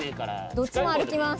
どっちも歩きます。